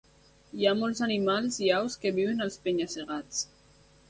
Hi ha molts animals i aus que viuen als penya-segats.